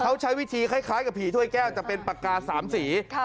เขาใช้วิธีคล้ายกับผีถ้วยแก้วแต่เป็นปากกา๓สี